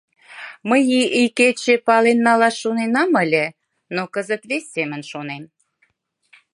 Мый икече пален налаш шоненам ыле, но кызыт вес семын шонем.